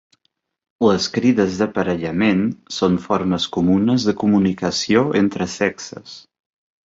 Les crides d'aparellament són formes comunes de comunicació entre sexes.